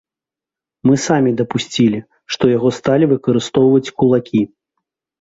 Мы самі дапусцілі, што яго сталі выкарыстоўваць кулакі.